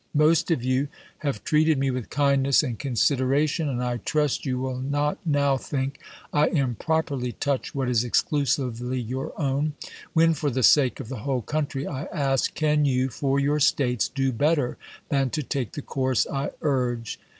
Most of you have treated me with kindness and consideration, and I trust you will not now think I im properly touch what is exclusively your own, when, for the sake of the whole country, I ask, can you, for your States, do better than to take the course I urge?